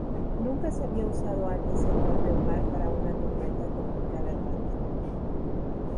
Nunca se había usado antes el nombre Omar para una tormenta tropical atlántica.